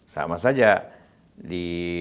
sama saja di